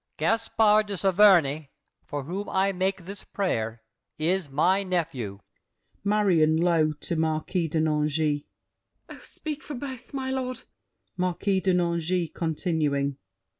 Gaspard de Saverny, for whom I make This prayer, is my nephew— MARION (low to Marquis de Nangis). Oh, speak for both, My lord! MARQUIS DE NANGIS (continuing).